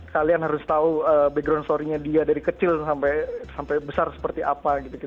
kalian harus tahu background story nya dia dari kecil sampai besar seperti apa gitu